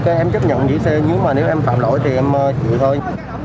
ok em chấp nhận dĩa xe nhưng mà nếu em phạm lỗi thì em chịu thôi